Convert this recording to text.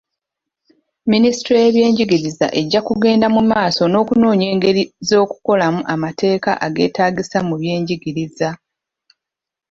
Minisitule y'ebyenjigiriza ejja kugenda mu maaso n'okunoonya engeri z'okukolamu amateeka ageetaagisa mu byenjigiriza.